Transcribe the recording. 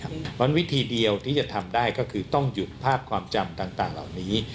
เพราะฉะนั้นวิธีเดียวที่จะทำได้ก็คือต้องหยุดภาพความจำต่างเหล่านี้